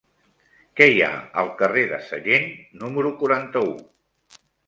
Què hi ha al carrer de Sallent número quaranta-u?